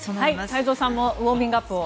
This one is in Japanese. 太蔵さんもウォーミングアップを。